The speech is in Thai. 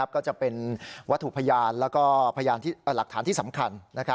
ก็จะเป็นวัตถุพยานและพยานหลักฐานที่สำคัญ